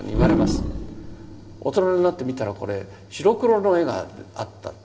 大人になって見たらこれ白黒の絵があった。